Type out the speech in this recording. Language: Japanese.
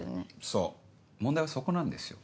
そう問題はそこなんですよ。